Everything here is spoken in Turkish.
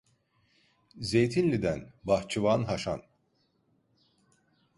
Zeytinli'den… Bahçıvan Haşan!